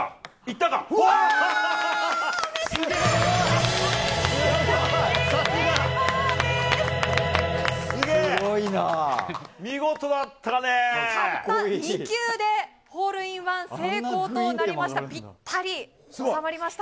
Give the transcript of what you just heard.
たった２球でホールインワン成功となりました。